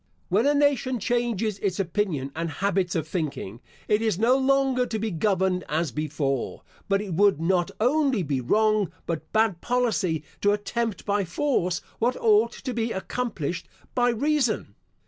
When a nation changes its opinion and habits of thinking, it is no longer to be governed as before; but it would not only be wrong, but bad policy, to attempt by force what ought to be accomplished by reason.